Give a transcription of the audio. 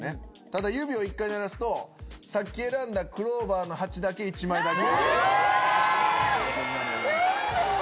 ただ指を１回鳴らすとさっき選んだクローバーの８だけ１枚だけ。え！